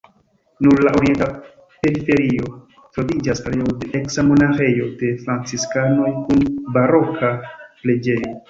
Sur la orienta periferio troviĝas areo de eksa monaĥejo de franciskanoj kun baroka preĝejo.